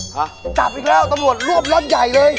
จะจับอีกแล้วตำรวจรวบล็อตใหญ่เลย